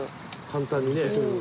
簡単にね。